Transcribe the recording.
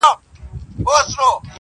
له سهاره په ژړا پیل کوو ورځي -